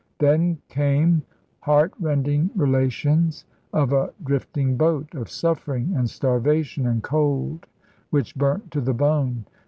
Then came heart rending relations of a drifting boat, of suffering and starvation and cold which burnt to the bone.